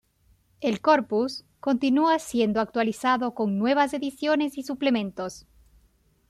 El "Corpus" continúa siendo actualizado con nuevas ediciones y suplementos.